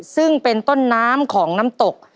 ซึ่งเป็นต้นน้ำของน้ำตก